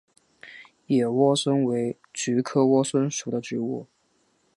野莴苣为菊科莴苣属的植物。